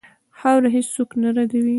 خاوره هېڅ څوک نه ردوي.